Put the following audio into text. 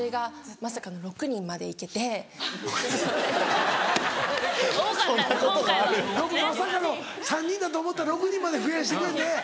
まさかの３人だと思ったら６人まで増やしてくれて。